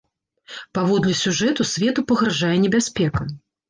Паводле сюжэту, свету пагражае небяспека.